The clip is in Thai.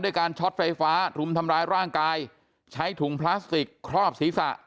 การช็อตไฟฟ้ารุมทำร้ายร่างกายใช้ถุงพลาสติกครอบศีรษะ